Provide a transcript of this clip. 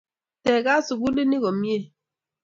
Tegat sukulit ni komnye